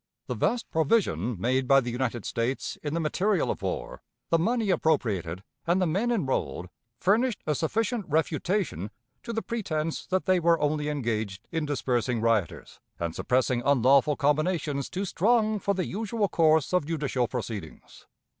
The vast provision made by the United States in the material of war, the money appropriated, and the men enrolled, furnished a sufficient refutation to the pretense that they were only engaged in dispersing rioters, and suppressing unlawful combinations too strong for the usual course of judicial proceedings.